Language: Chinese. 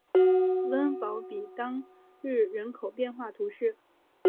翁堡比当日人口变化图示